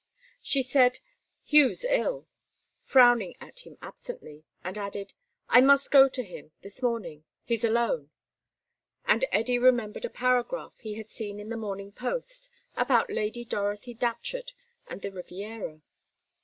She said, "Hugh's ill," frowning at him absently, and added, "I must go to him, this morning. He's alone," and Eddy remembered a paragraph he had seen in the Morning Post about Lady Dorothy Datcherd and the Riviera.